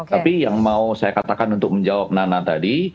tapi yang mau saya katakan untuk menjawab nana tadi